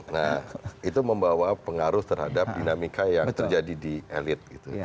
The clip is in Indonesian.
nah itu membawa pengaruh terhadap dinamika yang terjadi di elit gitu